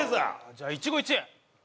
じゃあ一期一会。